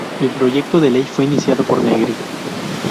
El proyecto de ley fue iniciado por Negri.